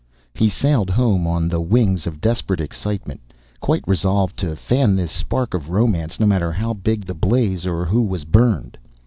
He sailed home on the wings of desperate excitement, quite resolved to fan this spark of romance, no matter how big the blaze or who was burned.